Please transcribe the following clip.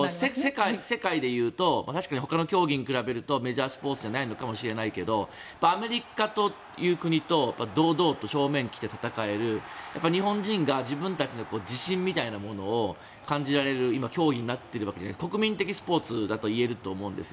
世界でいうとメジャースポーツじゃないかもしれないけどアメリカという国と堂々と正面を切って戦える日本人が自分たちの自信みたいなものを感じられる今、競技になっているわけで国民的スポーツといえると思います。